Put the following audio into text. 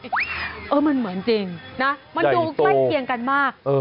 เออมันเหมือนจริงนะมันดูใกล้เคียงกันมาก